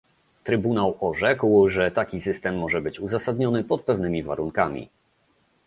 Trybunał orzekł, że taki system może być uzasadniony pod pewnymi warunkami